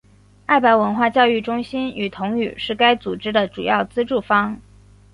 爱白文化教育中心与同语是该组织的主要资助方。